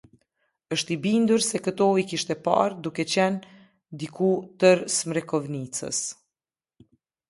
Është i bindur se këto i kishte parë duke qenë diku tër Smrekovnicës.